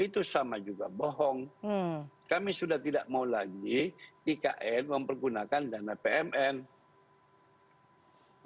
itu sama juga bohong kami sudah tidak mau lagi ikn mempergunakan dana pmn